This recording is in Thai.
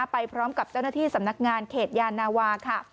ไปพร้อมกับเจ้าหน้าที่สำนักงานเขตยานาวาค่ะ